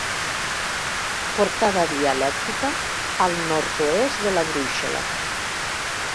Portada dialèctica al nord-oest de la brúixola.